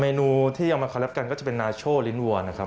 เมนูที่ยังมาคอลับกันก็จะเป็นนาโชลิ้นวัลนะครับ